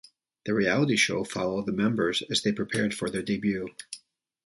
The reality show followed the members as they prepared for their debut.